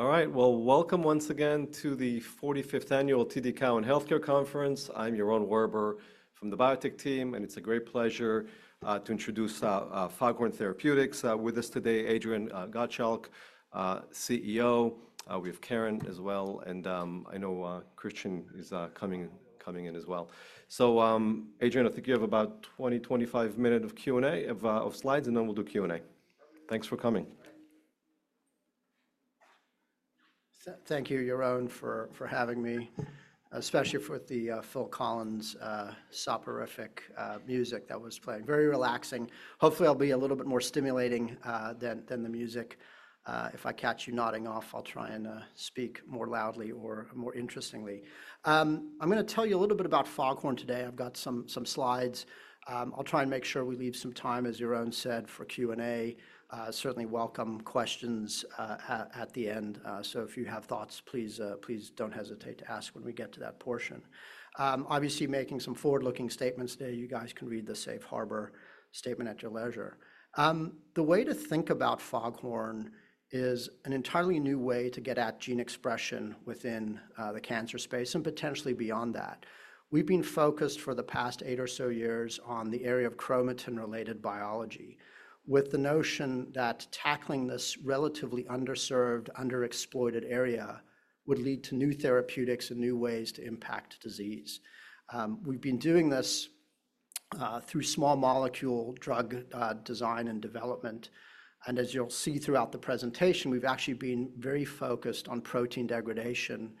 All right, Welcome once again to the 45th Annual TD Cowen Healthcare Conference. I'm Yaron Werber from the Biotech team, and it's a great pleasure to introduce Foghorn Therapeutics with us today, Adrian Gottschalk, CEO. We have Karin as well, and I know Cristian is coming in as well. Adrian, I think you have about 20-25 minutes of slides, and then we'll do Q&A. Thanks for coming. Thank you, Yaron, for having me, especially with the Phil Collins soporific music that was playing. Very relaxing. Hopefully, I'll be a little bit more stimulating than the music. If I catch you nodding off, I'll try and speak more loudly or more interestingly. I'm going to tell you a little bit about Foghorn today. I've got some slides. I'll try and make sure we leave some time, as Yaron said, for Q&A. Certainly welcome questions at the end. If you have thoughts, please don't hesitate to ask when we get to that portion. Obviously, making some forward-looking statements today. You guys can read the Safe Harbor statement at your leisure. The way to think about Foghorn is an entirely new way to get at gene expression within the cancer space and potentially beyond that. We've been focused for the past eight or so years on the area of chromatin-related biology, with the notion that tackling this relatively underserved, underexploited area would lead to new therapeutics and new ways to impact disease. We've been doing this through small molecule drug design and development. As you'll see throughout the presentation, we've actually been very focused on protein degradation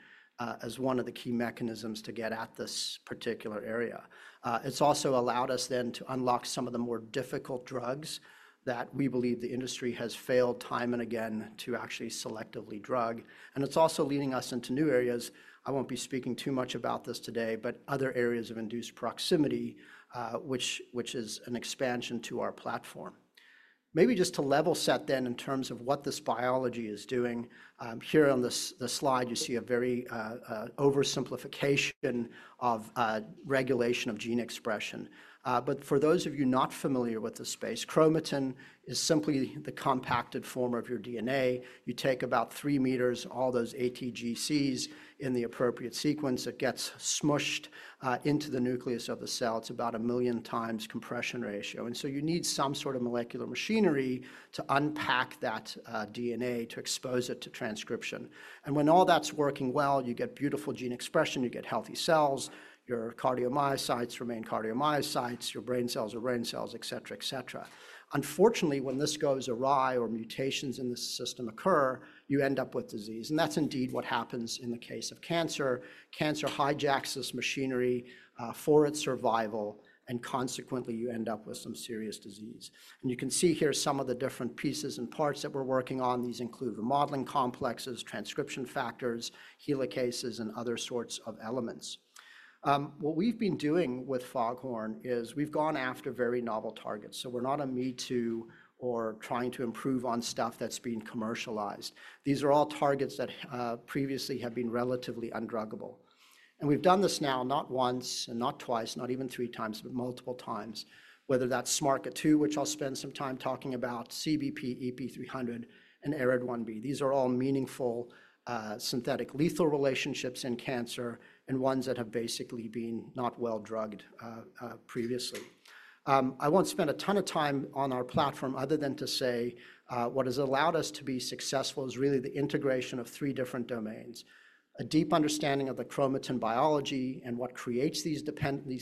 as one of the key mechanisms to get at this particular area. It's also allowed us then to unlock some of the more difficult drugs that we believe the industry has failed time and again to actually selectively drug. It's also leading us into new areas. I won't be speaking too much about this today, but other areas of induced proximity, which is an expansion to our platform. Maybe just to level set then in terms of what this biology is doing, here on the slide, you see a very oversimplification of regulation of gene expression. For those of you not familiar with the space, chromatin is simply the compacted form of your DNA. You take about three meters, all those ATGCs in the appropriate sequence. It gets smushed into the nucleus of the cell. It is about a million times compression ratio. You need some sort of molecular machinery to unpack that DNA, to expose it to transcription. When all that is working well, you get beautiful gene expression. You get healthy cells. Your cardiomyocytes remain cardiomyocytes. Your brain cells are brain cells, et cetera, et cetera. Unfortunately, when this goes awry or mutations in the system occur, you end up with disease. That is indeed what happens in the case of cancer. Cancer hijacks this machinery for its survival, and consequently, you end up with some serious disease. You can see here some of the different pieces and parts that we're working on. These include the modeling complexes, transcription factors, helicases, and other sorts of elements. What we've been doing with Foghorn is we've gone after very novel targets. We're not a me too or trying to improve on stuff that's being commercialized. These are all targets that previously have been relatively undruggable. We've done this now not once and not twice, not even three times, but multiple times, whether that's SMARCA2, which I'll spend some time talking about, CBP, EP300, and ARID1B. These are all meaningful synthetic lethal relationships in cancer and ones that have basically been not well drugged previously. I won't spend a ton of time on our platform other than to say what has allowed us to be successful is really the integration of three different domains: a deep understanding of the chromatin biology and what creates these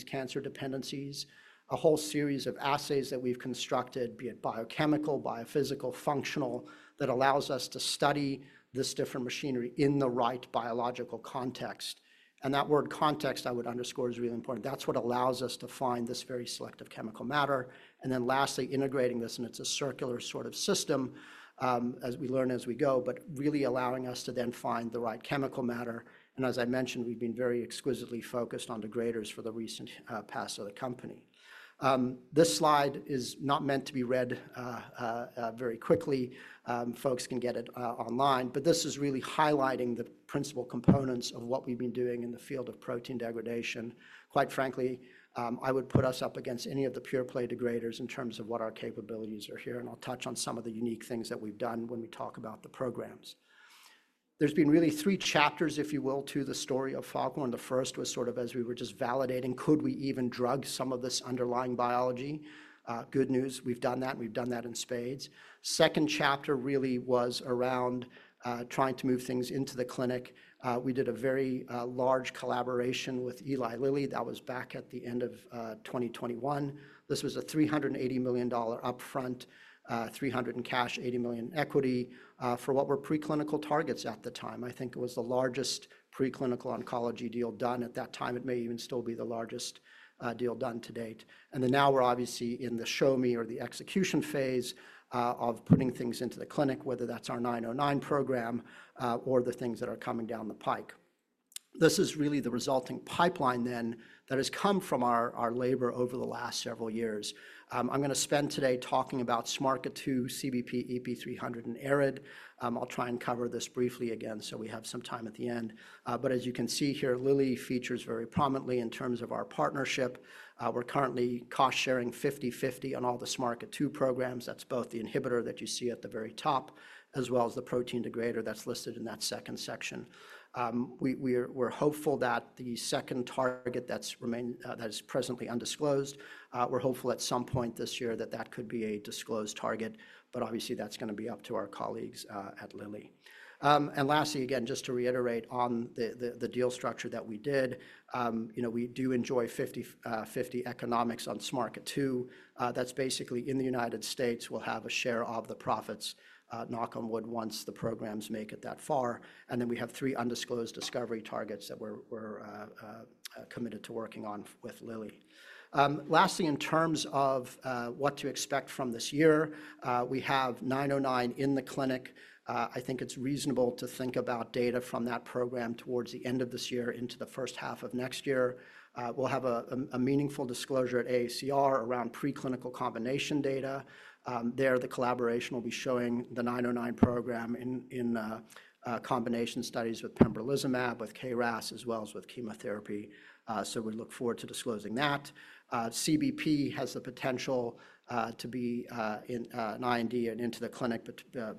cancer dependencies, a whole series of assays that we've constructed, be it biochemical, biophysical, functional, that allows us to study this different machinery in the right biological context. That word context, I would underscore, is really important. That's what allows us to find this very selective chemical matter. Lastly, integrating this, and it's a circular sort of system, as we learn as we go, but really allowing us to then find the right chemical matter. As I mentioned, we've been very exquisitely focused on the graders for the recent past of the company. This slide is not meant to be read very quickly. Folks can get it online. This is really highlighting the principal components of what we've been doing in the field of protein degradation. Quite frankly, I would put us up against any of the pure play degraders in terms of what our capabilities are here. I'll touch on some of the unique things that we've done when we talk about the programs. There have been really three chapters, if you will, to the story of Foghorn. The first was sort of as we were just validating, could we even drug some of this underlying biology? Good news, we've done that. We've done that in spades. The second chapter really was around trying to move things into the clinic. We did a very large collaboration with Eli Lilly that was back at the end of 2021. This was a $380 million upfront, 300 in cash, $80 million in equity for what were preclinical targets at the time. I think it was the largest preclinical oncology deal done at that time. It may even still be the largest deal done to date. Now we're obviously in the show me or the execution phase of putting things into the clinic, whether that's our 909 program or the things that are coming down the pike. This is really the resulting pipeline then that has come from our labor over the last several years. I'm going to spend today talking about SMARCA2, CBP, EP300, and ARID. I'll try and cover this briefly again so we have some time at the end. As you can see here, Lilly features very prominently in terms of our partnership. We're currently cost sharing 50/50 on all the SMARCA2 programs. That's both the inhibitor that you see at the very top, as well as the protein degrader that's listed in that second section. We're hopeful that the second target that's presently undisclosed, we're hopeful at some point this year that that could be a disclosed target. Obviously, that's going to be up to our colleagues at Lilly. Lastly, again, just to reiterate on the deal structure that we did, we do enjoy 50/50 economics on SMARCA2. That's basically in the United States, we'll have a share of the profits, knock on wood, once the programs make it that far. We have three undisclosed discovery targets that we're committed to working on with Lilly. Lastly, in terms of what to expect from this year, we have 909 in the clinic. I think it's reasonable to think about data from that program towards the end of this year into the first half of next year. We'll have a meaningful disclosure at AACR around preclinical combination data. There, the collaboration will be showing the 909 program in combination studies with pembrolizumab, with KRAS, as well as with chemotherapy. We look forward to disclosing that. CBP has the potential to be in IND and into the clinic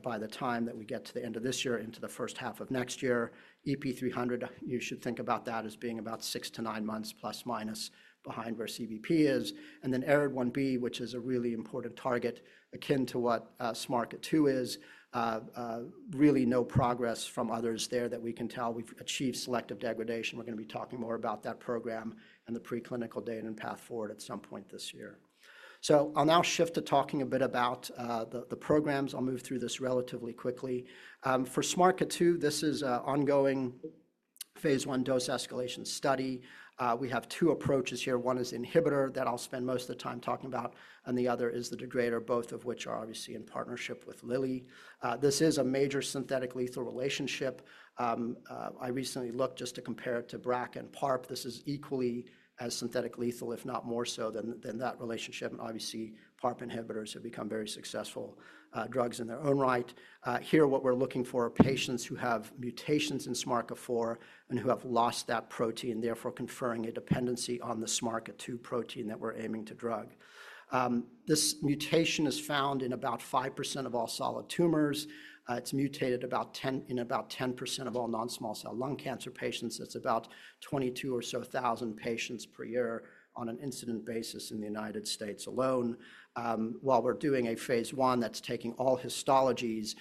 by the time that we get to the end of this year, into the first half of next year. EP300, you should think about that as being about six to nine months plus minus behind where CBP is. ARED1B, which is a really important target, akin to what SMARCA2 is, really no progress from others there that we can tell. We've achieved selective degradation. We're going to be talking more about that program and the preclinical data and path forward at some point this year. I'll now shift to talking a bit about the programs. I'll move through this relatively quickly. For SMARCA2, this is an ongoing phase one dose escalation study. We have two approaches here. One is inhibitor that I'll spend most of the time talking about, and the other is the degrader, both of which are obviously in partnership with Lilly. This is a major synthetic lethal relationship. I recently looked just to compare it to BRAC and PARP. This is equally as synthetic lethal, if not more so than that relationship. Obviously, PARP inhibitors have become very successful drugs in their own right. Here, what we're looking for are patients who have mutations in SMARCA4 and who have lost that protein, therefore conferring a dependency on the SMARCA2 protein that we're aiming to drug. This mutation is found in about 5% of all solid tumors. It's mutated in about 10% of all non-small cell lung cancer patients. It's about 22 or so thousand patients per year on an incident basis in the United States alone. While we're doing a phase one that's taking all Histologies,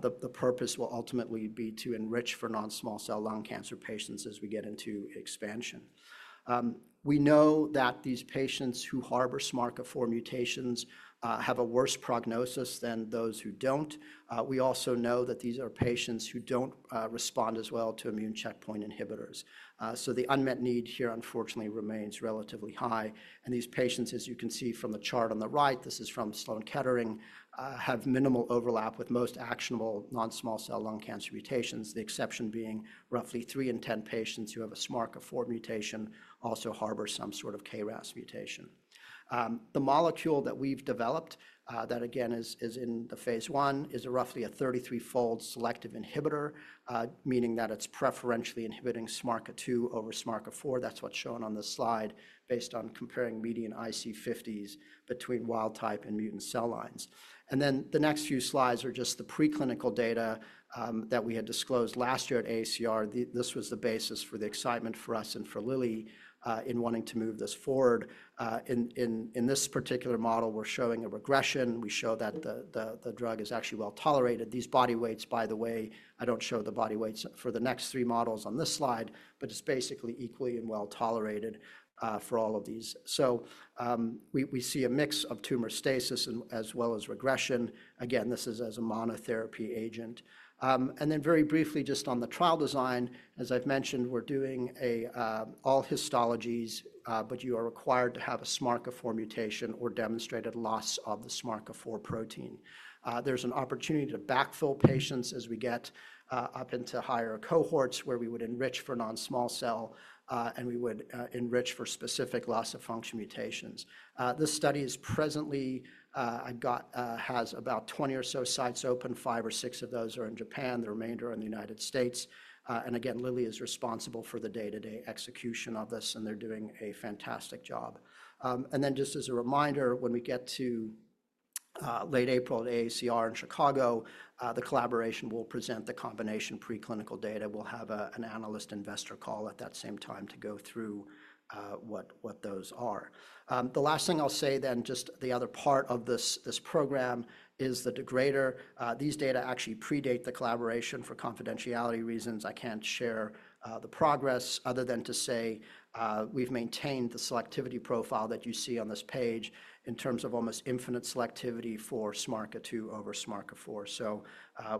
the purpose will ultimately be to enrich for non-small cell lung cancer patients as we get into expansion. We know that these patients who harbor SMARCA4 mutations have a worse prognosis than those who don't. We also know that these are patients who don't respond as well to immune checkpoint inhibitors. The unmet need here, unfortunately, remains relatively high. These patients, as you can see from the chart on the right, this is from Memorial Sloan Kettering Cancer Center, have minimal overlap with most actionable non-small cell lung cancer mutations, the exception being roughly three in ten patients who have a SMARCA4 mutation also harbor some sort of KRAS mutation. The molecule that we've developed that, again, is in the phase I is roughly a 33-fold selective inhibitor, meaning that it's preferentially inhibiting SMARCA2 over SMARCA4. That's what's shown on the slide based on comparing median IC50s between wild type and mutant cell lines. The next few slides are just the preclinical data that we had disclosed last year at AACR. This was the basis for the excitement for us and for Lilly in wanting to move this forward. In this particular model, we're showing a regression. We show that the drug is actually well tolerated. These body weights, by the way, I do not show the body weights for the next three models on this slide, but it is basically equally and well tolerated for all of these. We see a mix of tumor stasis as well as regression. Again, this is as a monotherapy agent. Very briefly, just on the trial design, as I have mentioned, we are doing all Histologies, but you are required to have a SMARCA4 mutation or demonstrated loss of the SMARCA4 protein. There is an opportunity to backfill patients as we get up into higher cohorts where we would enrich for non-small cell and we would enrich for specific loss of function mutations. This study presently has about 20 or so sites open. Five or six of those are in Japan. The remainder are in the United States. Lilly is responsible for the day-to-day execution of this, and they're doing a fantastic job. Just as a reminder, when we get to late April at AACR in Chicago, the collaboration will present the combination preclinical data. We'll have an analyst investor call at that same time to go through what those are. The last thing I'll say then, just the other part of this program is the degrader. These data actually predate the collaboration for confidentiality reasons. I can't share the progress other than to say we've maintained the selectivity profile that you see on this page in terms of almost infinite selectivity for SMARCA2 over SMARCA4.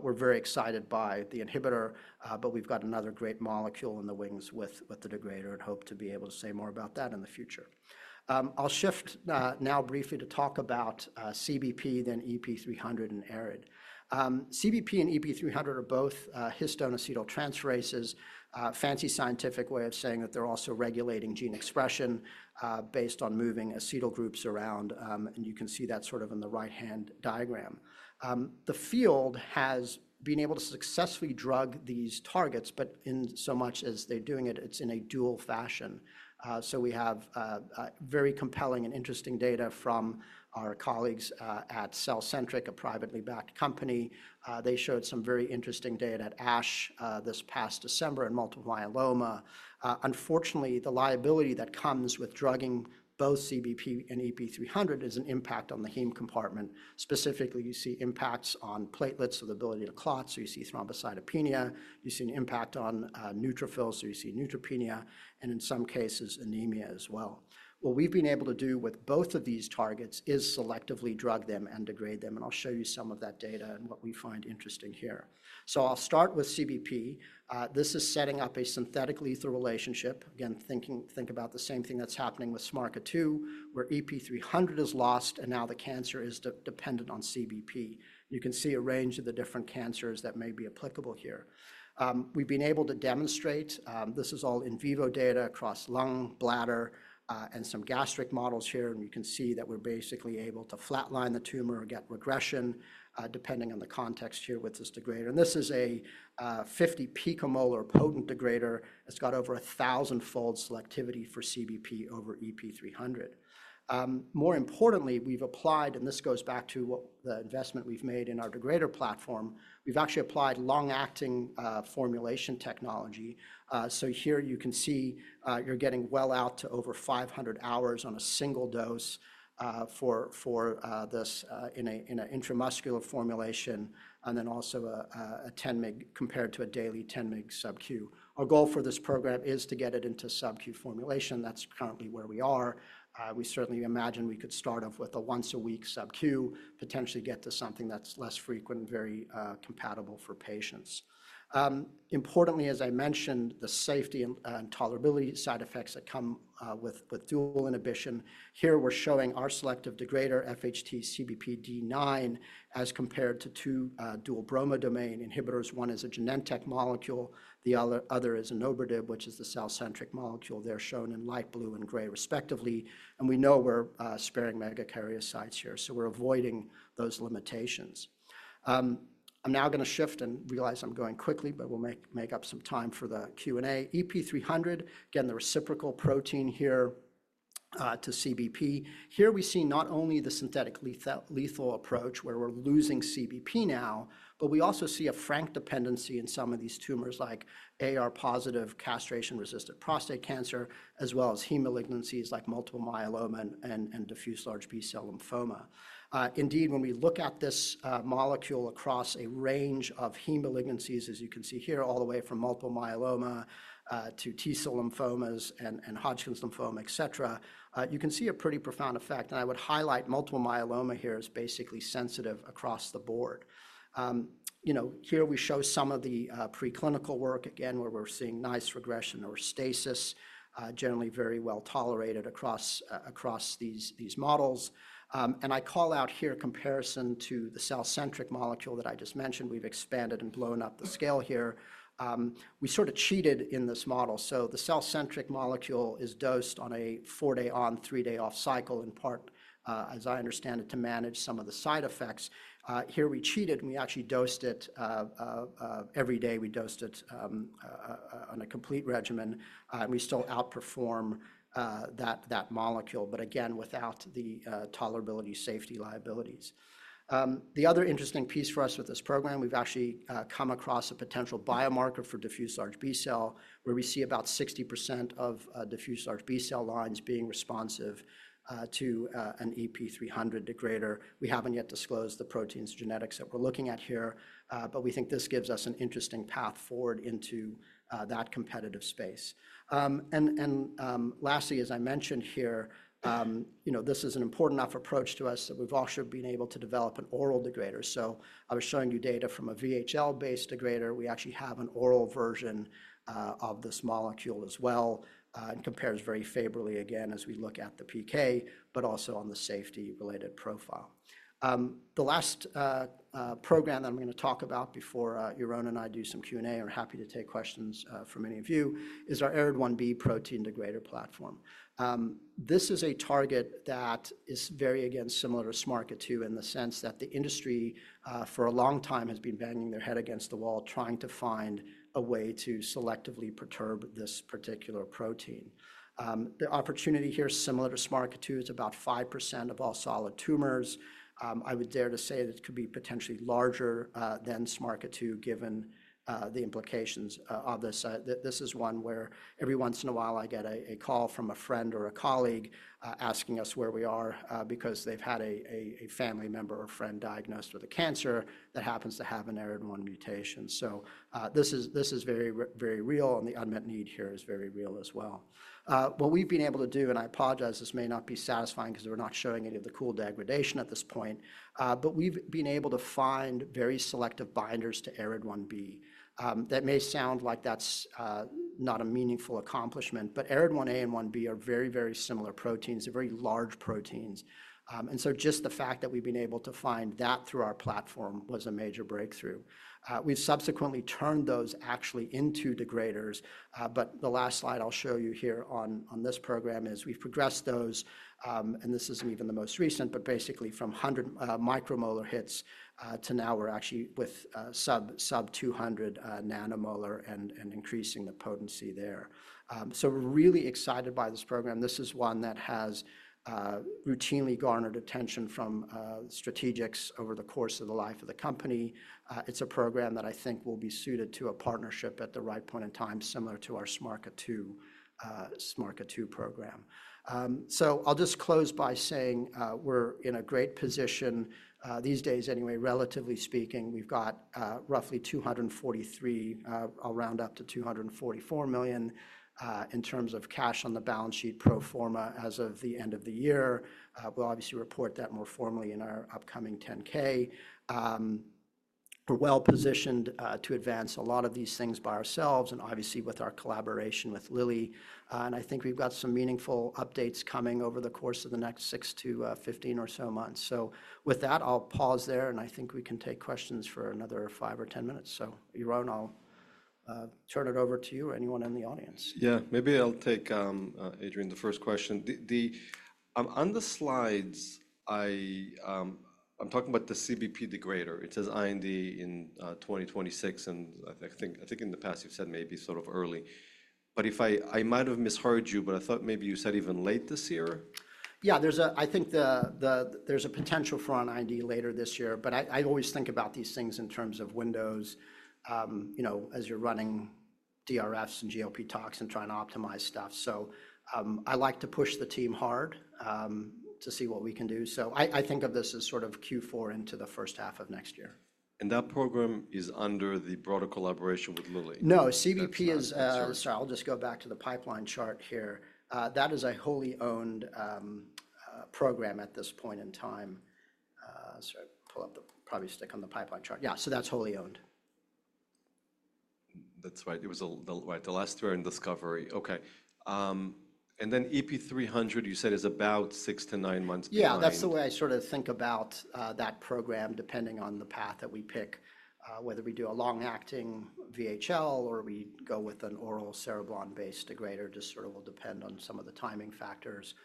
We're very excited by the inhibitor, but we've got another great molecule in the wings with the degrader and hope to be able to say more about that in the future. I'll shift now briefly to talk about CBP, then EP300 and ARED. CBP and EP300 are both histone acetyltransferases, fancy scientific way of saying that they're also regulating gene expression based on moving acetyl groups around. You can see that sort of in the right-hand diagram. The field has been able to successfully drug these targets, but in so much as they're doing it, it's in a dual fashion. We have very compelling and interesting data from our colleagues at CellCentric, a privately backed company. They showed some very interesting data at ASH this past December in multiple myeloma. Unfortunately, the liability that comes with drugging both CBP and EP300 is an impact on the heme compartment. Specifically, you see impacts on platelets or the ability to clot. You see thrombocytopenia. You see an impact on neutrophils. You see neutropenia and in some cases, anemia as well. What we've been able to do with both of these targets is selectively drug them and degrade them. I'll show you some of that data and what we find interesting here. I'll start with CBP. This is setting up a synthetic lethal relationship. Again, think about the same thing that's happening with SMARCA2, where EP300 is lost and now the cancer is dependent on CBP. You can see a range of the different cancers that may be applicable here. We've been able to demonstrate, this is all in vivo data across lung, bladder, and some gastric models here. You can see that we're basically able to flatline the tumor or get regression depending on the context here with this degrader. This is a 50 picomolar potent degrader. It's got over a thousand-fold selectivity for CBP over EP300. More importantly, we've applied, and this goes back to the investment we've made in our degrader platform, we've actually applied long-acting formulation technology. Here you can see you're getting well out to over 500 hours on a single dose for this in an intramuscular formulation and then also a 10 mg compared to a daily 10 mg subQ. Our goal for this program is to get it into subQ formulation. That's currently where we are. We certainly imagine we could start off with a once-a-week subQ, potentially get to something that's less frequent and very compatible for patients. Importantly, as I mentioned, the safety and tolerability side effects that come with dual inhibition. Here we're showing our selective degrader, FHT-CBPD9, as compared to two dual bromodomain inhibitors. One is a Genentech molecule. The other is an OverDib, which is the CellCentric molecule. They are shown in light blue and gray respectively. We know we are sparing megakaryocytes here. We are avoiding those limitations. I am now going to shift and realize I am going quickly, but we will make up some time for the Q&A. EP300, again, the reciprocal protein here to CBP. Here we see not only the synthetic lethal approach where we are losing CBP now, but we also see a frank dependency in some of these tumors like AR-positive castration-resistant prostate cancer, as well as heme malignancies like multiple myeloma and diffuse large B-cell lymphoma. Indeed, when we look at this molecule across a range of heme malignancies, as you can see here, all the way from multiple myeloma to T-cell lymphomas and Hodgkin's lymphoma, et cetera, you can see a pretty profound effect. I would highlight multiple myeloma here is basically sensitive across the board. Here we show some of the preclinical work again where we're seeing nice regression or stasis, generally very well tolerated across these models. I call out here a comparison to the CellCentric molecule that I just mentioned. We've expanded and blown up the scale here. We sort of cheated in this model. The CellCentric molecule is dosed on a four-day on, three-day off cycle in part, as I understand it, to manage some of the side effects. Here we cheated and we actually dosed it every day. We dosed it on a complete regimen. We still outperform that molecule, but again, without the tolerability safety liabilities. The other interesting piece for us with this program, we've actually come across a potential biomarker for diffuse large B-cell where we see about 60% of diffuse large B-cell lines being responsive to an EP300 degrader. We haven't yet disclosed the protein's genetics that we're looking at here, but we think this gives us an interesting path forward into that competitive space. Lastly, as I mentioned here, this is an important enough approach to us that we've also been able to develop an oral degrader. I was showing you data from a VHL-based degrader. We actually have an oral version of this molecule as well and compares very favorably again as we look at the PK, but also on the safety-related profile. The last program that I'm going to talk about before Yaron, and I do some Q&A and are happy to take questions from any of you is our ARID1B protein degrader platform. This is a target that is very, again, similar to SMARCA2 in the sense that the industry for a long time has been banging their head against the wall trying to find a way to selectively perturb this particular protein. The opportunity here is similar to SMARCA2. It's about 5% of all solid tumors. I would dare to say that it could be potentially larger than SMARCA2 given the implications of this. This is one where every once in a while I get a call from a friend or a colleague asking us where we are because they've had a family member or friend diagnosed with a cancer that happens to have an ARID1B mutation. This is very, very real and the unmet need here is very real as well. What we've been able to do, and I apologize, this may not be satisfying because we're not showing any of the cool degradation at this point, but we've been able to find very selective binders to ARID1B. That may sound like that's not a meaningful accomplishment, but ARID1A and 1B are very, very similar proteins. They're very large proteins. Just the fact that we've been able to find that through our platform was a major breakthrough. We've subsequently turned those actually into degraders. The last slide I'll show you here on this program is we've progressed those, and this isn't even the most recent, but basically from 100 micromolar hits to now we're actually with sub-200 nanomolar and increasing the potency there. We're really excited by this program. This is one that has routinely garnered attention from strategics over the course of the life of the company. It's a program that I think will be suited to a partnership at the right point in time, similar to our SMARCA2 program. I'll just close by saying we're in a great position these days anyway, relatively speaking. We've got roughly $243, I'll round up to $244 million in terms of cash on the balance sheet pro forma as of the end of the year. We'll obviously report that more formally in our upcoming 10K. We're well positioned to advance a lot of these things by ourselves and obviously with our collaboration with Lilly. I think we've got some meaningful updates coming over the course of the next 6-15 or so months. With that, I'll pause there and I think we can take questions for another five or ten minutes. Yaron, I'll turn it over to you or anyone in the audience. Yeah, maybe I'll take Adrian the first question. On the slides, I'm talking about the CBP degrader. It says IND in 2026. I think in the past you've said maybe sort of early. I might have misheard you, but I thought maybe you said even late this year. Yeah, I think there's a potential for an IND later this year, but I always think about these things in terms of windows as you're running DRFs and GLP talks and trying to optimize stuff. I like to push the team hard to see what we can do. I think of this as sort of Q4 into the first half of next year. That program is under the broader collaboration with Lilly. No, CBP is, sorry, I'll just go back to the pipeline chart here. That is a wholly owned program at this point in time. Sorry, pull up the, probably stick on the pipeline chart. Yeah, so that's wholly owned. That's right. It was the last we were in discovery. Okay. EP300, you said is about six to nine months behind. Yeah, that's the way I sort of think about that program depending on the path that we pick, whether we do a long-acting VHL or we go with an oral Cereblon-based degrader, just sort of will depend on some of the timing factors.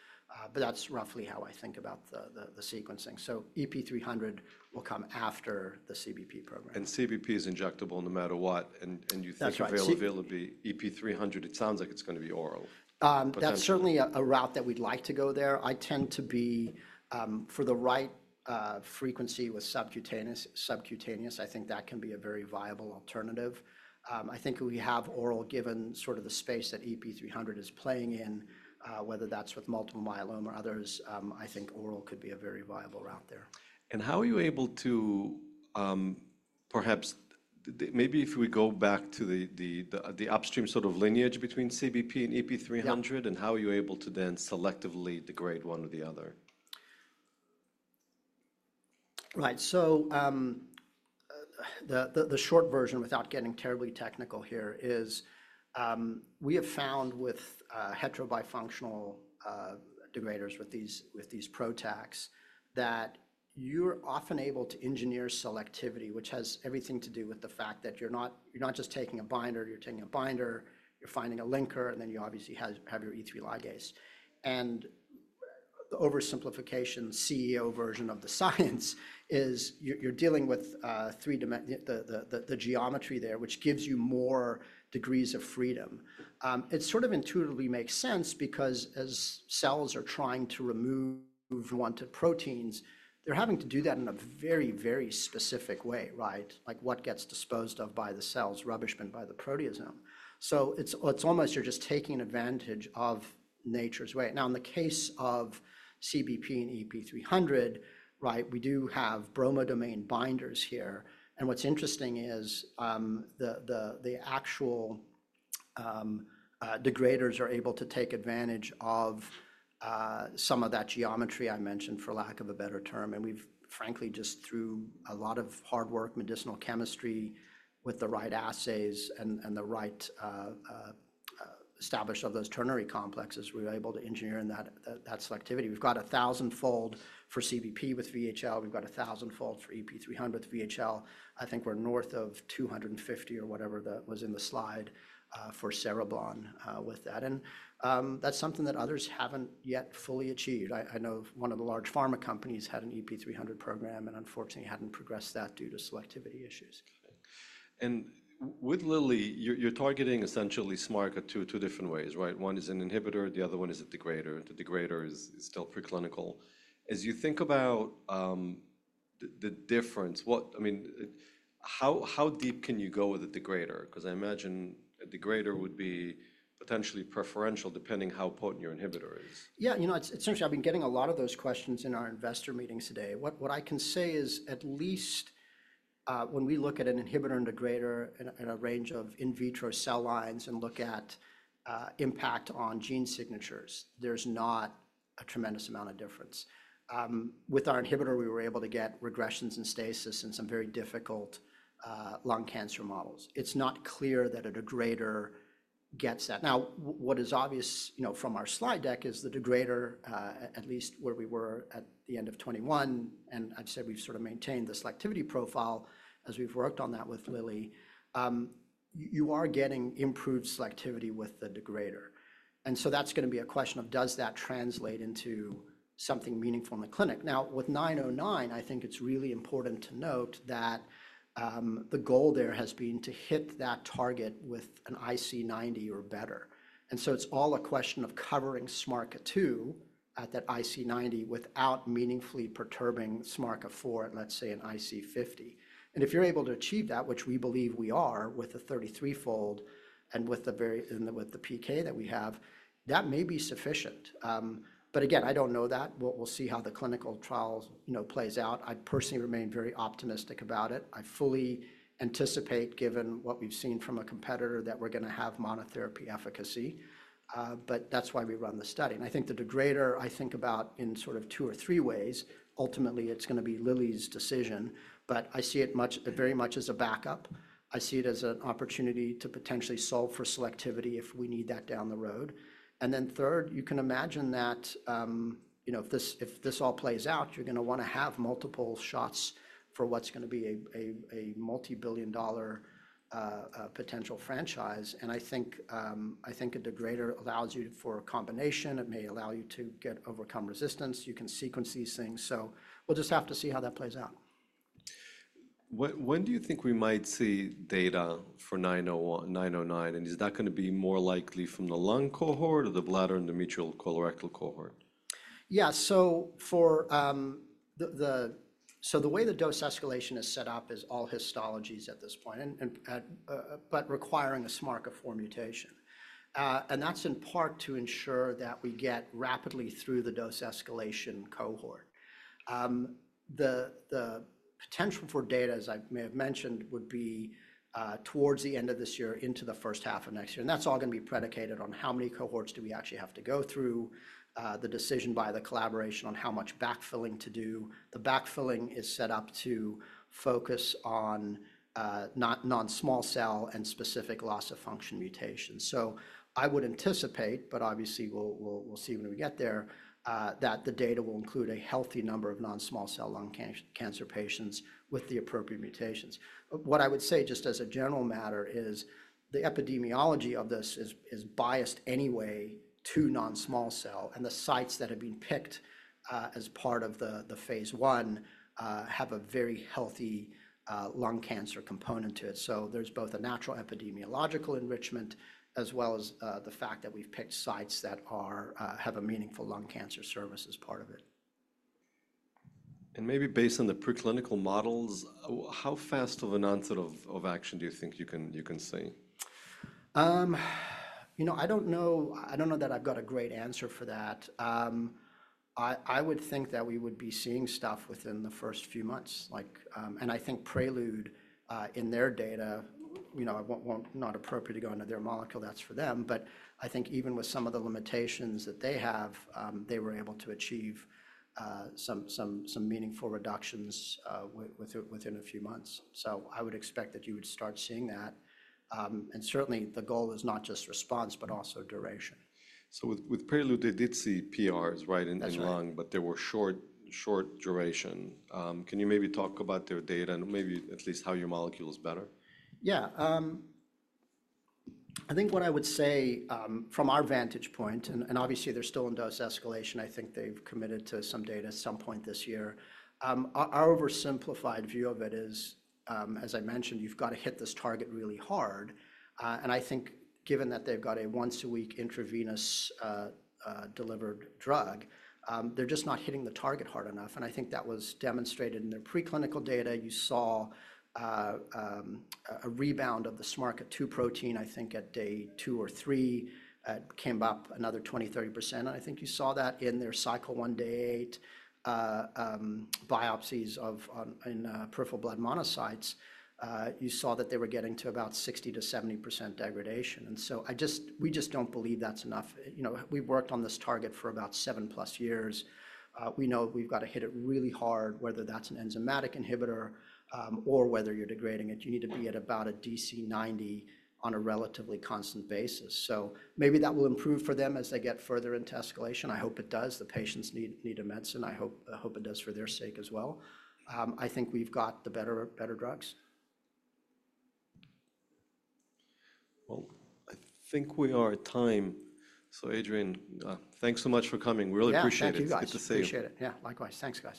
That's roughly how I think about the sequencing. EP300 will come after the CBP program. CBP is injectable no matter what. You think availability, EP300, it sounds like it's going to be oral. That's certainly a route that we'd like to go there. I tend to be for the right frequency with subcutaneous, I think that can be a very viable alternative. I think we have oral given sort of the space that EP300 is playing in, whether that's with multiple myeloma or others, I think oral could be a very viable route there. How are you able to perhaps, maybe if we go back to the upstream sort of lineage between CBP and EP300, how are you able to then selectively degrade one or the other? Right. The short version without getting terribly technical here is we have found with heterobifunctional degraders with these projects that you're often able to engineer selectivity, which has everything to do with the fact that you're not just taking a binder, you're taking a binder, you're finding a linker, and then you obviously have your E3 ligase. The oversimplification CEO version of the science is you're dealing with the geometry there, which gives you more degrees of freedom. It sort of intuitively makes sense because as cells are trying to remove wanted proteins, they're having to do that in a very, very specific way, right? Like what gets disposed of by the cells, rubbish bin by the proteasome. It's almost you're just taking advantage of nature's way. Now, in the case of CBP and EP300, we do have bromodomain binders here. What's interesting is the actual degraders are able to take advantage of some of that geometry I mentioned for lack of a better term. We've frankly just through a lot of hard work, medicinal chemistry with the right assays and the right establish of those ternary complexes, we were able to engineer in that selectivity. We've got a thousand-fold for CBP with VHL. We've got a thousand-fold for EP300 with VHL. I think we're north of 250 or whatever that was in the slide for Cereblon with that. That's something that others haven't yet fully achieved. I know one of the large pharma companies had an EP300 program and unfortunately hadn't progressed that due to selectivity issues. With Lilly, you're targeting essentially SMARCA2 two different ways, right? One is an inhibitor, the other one is a degrader. The degrader is still preclinical. As you think about the difference, I mean, how deep can you go with a degrader? Because I imagine a degrader would be potentially preferential depending how potent your inhibitor is. Yeah, you know, essentially I've been getting a lot of those questions in our investor meetings today. What I can say is at least when we look at an inhibitor and degrader and a range of in vitro cell lines and look at impact on gene signatures, there's not a tremendous amount of difference. With our inhibitor, we were able to get regressions and stasis in some very difficult lung cancer models. It's not clear that a degrader gets that. Now, what is obvious from our slide deck is the degrader, at least where we were at the end of 2021, and I'd say we've sort of maintained the selectivity profile as we've worked on that with Lilly, you are getting improved selectivity with the degrader. That is going to be a question of does that translate into something meaningful in the clinic? Now, with 909, I think it's really important to note that the goal there has been to hit that target with an IC90 or better. It is all a question of covering SMARCA2 at that IC90 without meaningfully perturbing SMARCA4 at, let's say, an IC50. If you're able to achieve that, which we believe we are with a 33-fold and with the PK that we have, that may be sufficient. I don't know that. We will see how the clinical trial plays out. I personally remain very optimistic about it. I fully anticipate, given what we've seen from a competitor, that we're going to have monotherapy efficacy. That is why we run the study. I think the degrader, I think about in sort of two or three ways, ultimately it's going to be Lilly's decision, but I see it very much as a backup. I see it as an opportunity to potentially solve for selectivity if we need that down the road. Third, you can imagine that if this all plays out, you're going to want to have multiple shots for what's going to be a multi-billion dollar potential franchise. I think a degrader allows you for a combination. It may allow you to overcome resistance. You can sequence these things. We will just have to see how that plays out. When do you think we might see data for 909? Is that going to be more likely from the lung cohort or the bladder endometrial colorectal cohort? Yeah, the way the dose escalation is set up is all Histologies at this point, but requiring a SMARCA4 mutation. That is in part to ensure that we get rapidly through the dose escalation cohort. The potential for data, as I may have mentioned, would be towards the end of this year into the first half of next year. That is all going to be predicated on how many cohorts we actually have to go through, the decision by the collaboration on how much backfilling to do. The backfilling is set up to focus on non-small cell and specific loss of function mutations. I would anticipate, but obviously we will see when we get there, that the data will include a healthy number of non-small cell lung cancer patients with the appropriate mutations. What I would say just as a general matter is the epidemiology of this is biased anyway to non-small cell. The sites that have been picked as part of the phase one have a very healthy lung cancer component to it. There is both a natural epidemiological enrichment as well as the fact that we've picked sites that have a meaningful lung cancer service as part of it. Maybe based on the preclinical models, how fast of an answer of action do you think you can see? You know, I don't know that I've got a great answer for that. I would think that we would be seeing stuff within the first few months. I think Prelude in their data, you know, not appropriate to go into their molecule, that's for them. I think even with some of the limitations that they have, they were able to achieve some meaningful reductions within a few months. I would expect that you would start seeing that. Certainly the goal is not just response, but also duration. With Prelude, they did see PRs, right, in the lung, but they were short duration. Can you maybe talk about their data and maybe at least how your molecule is better? Yeah. I think what I would say from our vantage point, and obviously they're still in dose escalation, I think they've committed to some data at some point this year. Our oversimplified view of it is, as I mentioned, you've got to hit this target really hard. I think given that they've got a once-a-week intravenous delivered drug, they're just not hitting the target hard enough. I think that was demonstrated in their preclinical data. You saw a rebound of the SMARCA2 protein, I think at day two or three, came up another 20-30%. I think you saw that in their cycle one day eight biopsies of peripheral blood monocytes. You saw that they were getting to about 60-70% degradation. We just don't believe that's enough. We've worked on this target for about seven plus years. We know we've got to hit it really hard, whether that's an enzymatic inhibitor or whether you're degrading it, you need to be at about a DC90 on a relatively constant basis. Maybe that will improve for them as they get further into escalation. I hope it does. The patients need immense. I hope it does for their sake as well. I think we've got the better drugs. I think we are at time. So Adrian, thanks so much for coming. We really appreciate it. Yeah, thank you guys. Good to see you. Yeah, likewise. Thanks guys.